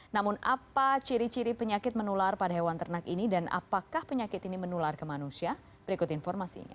namun apa ciri ciri penyakit menular pada hewan ternak ini dan apakah penyakit ini menular ke manusia berikut informasinya